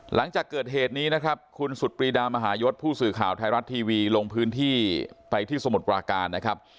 หลังจากเกิดเหตุนี้นะครับคุณสุดปรีดามหายศผู้สื่อข่าวไทยรัฐทีวีลงพื้นที่ไปที่สมุทรปราการนะครับ